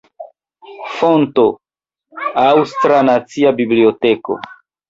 Fonto: Aŭstra Nacia Biblioteko.